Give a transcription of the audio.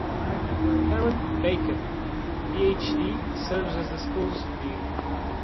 Karen Bacon, Ph.D., serves as the school's dean.